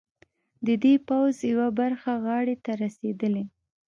د دې پوځ یوه برخه غاړې ته رسېدلي.